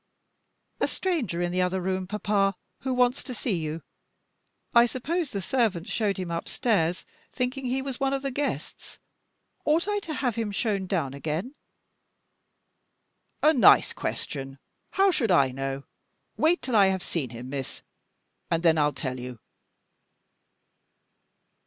"A stranger in the other room, papa, who wants to see you. I suppose the servants showed him upstairs, thinking he was one of the guests. Ought I to have had him shown down again?" "A nice question! How should I know? Wait till I have seen him, miss, and then I'll tell you!"